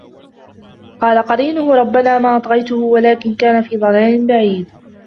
قَالَ قَرِينُهُ رَبَّنَا مَا أَطْغَيْتُهُ وَلَكِنْ كَانَ فِي ضَلَالٍ بَعِيدٍ